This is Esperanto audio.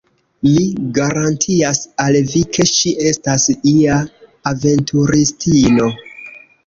Mi garantias al vi, ke ŝi estas ia aventuristino!